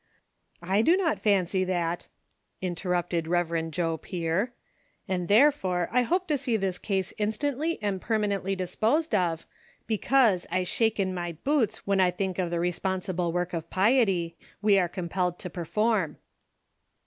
—" I do not fancy that," interrupted Rev. Joe Pier, " and therefore I hope to see this case instantly and permanently disposed of ; because, I shake in my boots when I think of the responsible work of piety we are compelled to perform."